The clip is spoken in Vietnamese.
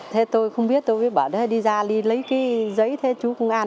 thế tôi không biết tôi bảo đây đi ra lấy cái giấy thế chú công an